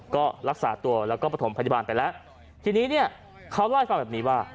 ก็รักษาตัวแล้วก็ปฐมพัฒนิบาลไปแล้วทีนี้เนี่ยเขาร่อยฟังแบบนี้ว่า